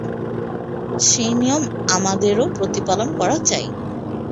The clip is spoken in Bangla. সেই নিয়ম আমাদেরও প্রতিপালন করা চাই।